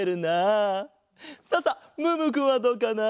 さあさあムームーくんはどうかな？